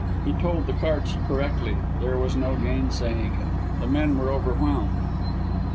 He told the cards correctly there was no gainsaying it. The men were overwhelmed.